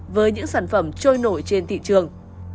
với những sản phẩm trôi nổi trên thị trường